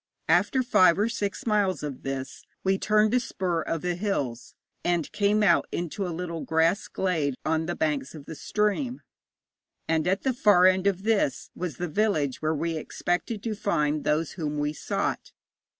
After five or six miles of this we turned a spur of the hills, and came out into a little grass glade on the banks of the stream, and at the far end of this was the village where we expected to find those whom we sought.